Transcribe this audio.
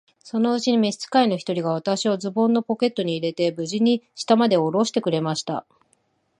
そのうちに召使の一人が、私をズボンのポケットに入れて、無事に下までおろしてくれました。